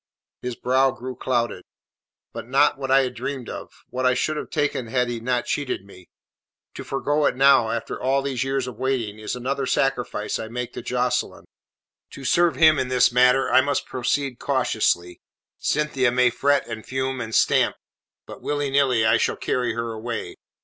His brow grew clouded. "But not what I had dreamed of; what I should have taken had he not cheated me. To forgo it now after all these years of waiting is another sacrifice I make to Jocelyn. To serve him in this matter I must proceed cautiously. Cynthia may fret and fume and stamp, but willy nilly I shall carry her away.